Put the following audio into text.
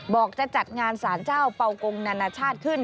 จะจัดงานสารเจ้าเป่ากงนานาชาติขึ้น